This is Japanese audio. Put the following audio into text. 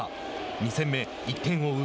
２戦目１点を追う